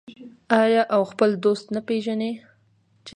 آیا او خپل دوست نه پیژني؟